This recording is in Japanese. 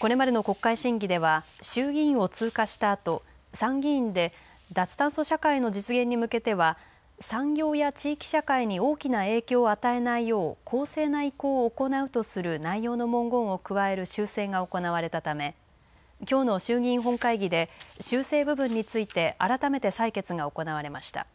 これまでの国会審議では衆議院を通過したあと参議院で脱炭素社会の実現に向けては産業や地域社会に大きな影響を与えないよう公正な移行をを行うとする内容の文言を加える修正が行われたためきょうの衆議院本会議で修正部分について改めて採決が行われました。